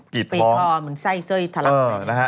มีก่อเหมือนไส้เส้ยทะลัง